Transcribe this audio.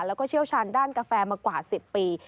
แล้วก็เชี่ยวชาญด้านกาแฟมากว่า๑๐ปี